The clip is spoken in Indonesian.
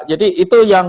jadi itu yang